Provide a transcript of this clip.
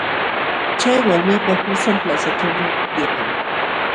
Chay walmipa qusan plazaćhuumi upyaykan.